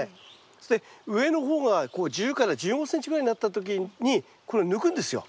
そして上の方が１０から１５ｃｍぐらいになった時にこれを抜くんですよ。